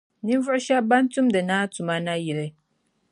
Ninvuɣu shεba ban tumdi Naa tuma nayili